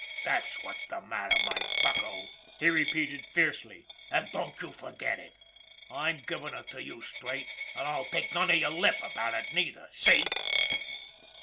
" That's what's the matter, my bucko," he repeated fiercely, " an' don't you forget it! I'm givin' it to you straight, an' I'll take none of your lip about it neither ! See